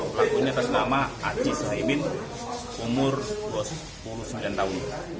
pelakunya ternama aciz saimin umur dua puluh sembilan tahun